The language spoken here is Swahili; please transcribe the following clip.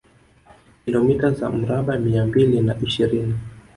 Kilomita za mraba mia mbili na ishirini